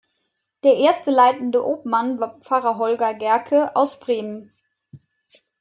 Der erste Leitende Obmann war Pfarrer Holger Gehrke aus Bremen.